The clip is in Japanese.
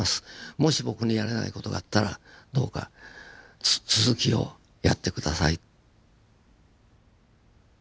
もし僕にやれない事があったらどうか続きをやって下さい。